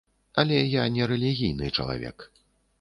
Але я не рэлігійны чалавек.